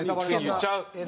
言っちゃう？